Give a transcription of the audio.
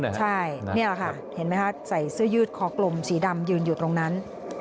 ใช่นี่ค่ะเห็นไหมคะใส่เสื้อยืดคอกลมสีดำยืนอยู่ตรงนั้น